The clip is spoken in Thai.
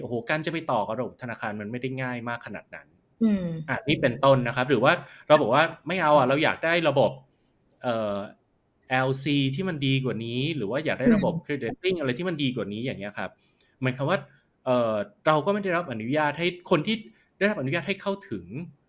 ส่วนนี้อย่างเงี้ยครับหมายความว่าเอ่อเราก็ไม่ได้รับอนุญาตให้คนที่ได้รับอนุญาตให้เข้าถึง